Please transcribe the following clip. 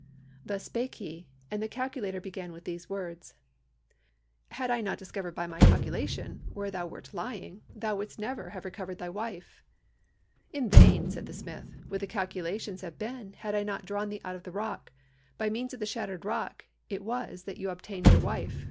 "Thus spake he; and the calculator began with these words: 'Had I not discovered by my calculation where thou wert lying, thou wouldst never have recovered thy wife.' "'In vain,' said the smith, 'would the calculations have been, had I not drawn thee out of the rock. By means of the shattered rock it was that you obtained your wife.